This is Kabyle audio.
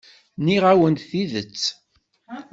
Nniɣ-awen-d tidet.